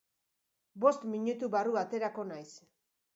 Bost minutu barru aterako naiz.